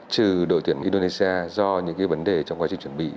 trừ đội tuyển indonesia do những vấn đề trong quá trình chuẩn bị